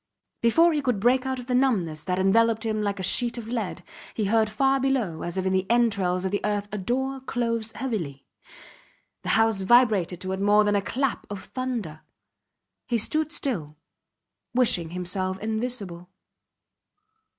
... Before he could break out of the numbness that enveloped him like a sheet of lead, he heard far below, as if in the entrails of the earth, a door close heavily. The house vibrated to it more than to a clap of thunder. He stood still, wishing himself invisible.